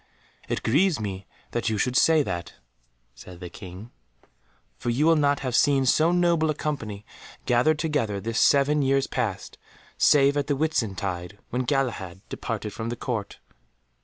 "It grieves me you should say that," said the King, "for you will not have seen so noble a company gathered together this seven years past, save at the Whitsuntide when Galahad departed from the Court."